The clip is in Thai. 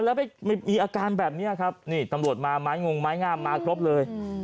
แล้วไปมีอาการแบบนี้ครับนี่ตำรวจมาไม้งงไม้งามมาครบเลย